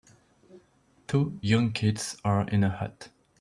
Two young kids are in a hut.